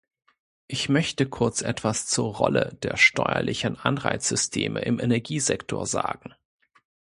Ich möchte kurz etwas zur Rolle der steuerlichen Anreizsysteme im Energiesektor sagen.